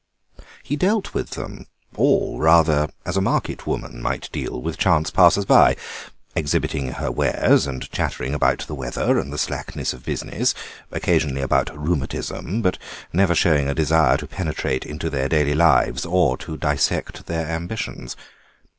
He dealt with them all rather as a market woman might deal with chance passers by, exhibiting her wares and chattering about the weather and the slackness of business, occasionally about rheumatism, but never showing a desire to penetrate into their daily lives or to dissect their ambitions.